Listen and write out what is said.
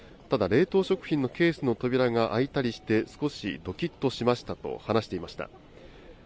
ただ、冷凍食品のケースの扉が開いたりして、少しどきっとしましたと話していました。